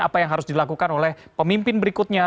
apa yang harus dilakukan oleh pemimpin berikutnya